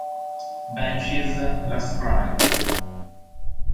Banshee's Last Cry